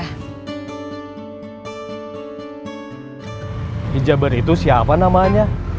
hijabar itu siapa namanya